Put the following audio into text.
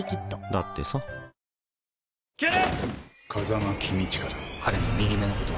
だってさあれ？